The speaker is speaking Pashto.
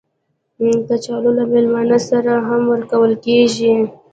کچالو له میلمانه سره هم ورکول کېږي